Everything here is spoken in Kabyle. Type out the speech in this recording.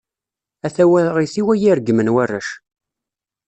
A tawaɣit-iw ad iyi-regmen warrac.